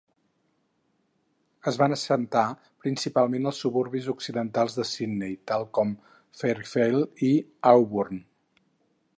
Es van assentar principalment als suburbis occidentals de Sydney, tal com Fairfield i Auburn.